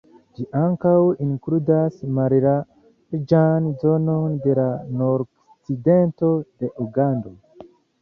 Ĝi ankaŭ inkludas mallarĝan zonon de la nordokcidento de Ugando.